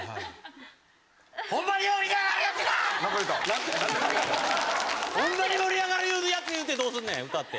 ホンマに盛り上がるやつ言うてどうすんねん歌って。